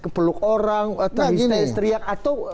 kepeluk orang atau histeri teriak atau